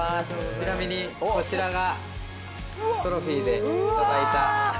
ちなみにこちらがトロフィーで頂いた。